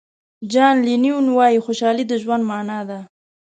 جان لینون وایي خوشحالي د ژوند معنا ده.